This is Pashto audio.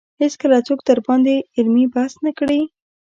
هېڅکله څوک ورباندې علمي بحث نه کړي